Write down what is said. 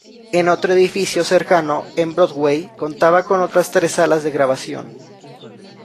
En otro edificio cercano, en Broadway, contaba con otras tres salas de grabación.